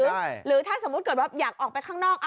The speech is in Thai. หรือถ้าสมมุติเกิดว่าอยากออกไปข้างนอก